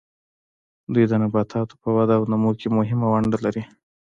دوی د نباتاتو په وده او نمو کې مهمه ونډه لري.